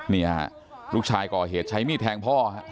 นี่ฮะลูกชายก่อเหตุใช้มีดแทงพ่อฮะ